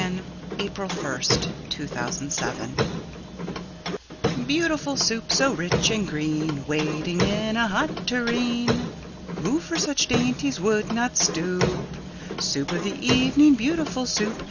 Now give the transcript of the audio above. ] Lewis Carroll Beautiful Soup BEAUTIFUL Soup, so rich and green, Waiting in a hot tureen! Who for such dainties would not stoop? Soup of the evening, beautiful Soup!